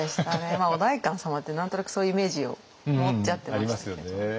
まあお代官様って何となくそういうイメージを持っちゃってましたけど。